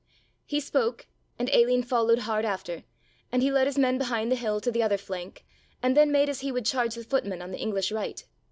He spoke and Aline followed hard after, and he led his men behind the hill to the other flank and then made as he would charge the footmen on the English right.